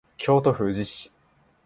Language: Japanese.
京都府宇治市